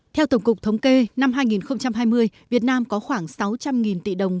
theo tổng cục thống kê năm hai nghìn hai mươi việt nam có khoảng sáu trăm linh tỷ đồng